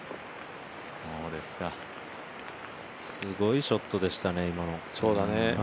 すごいショットでしたね、今の。